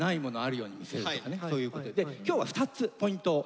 今日は２つポイントを。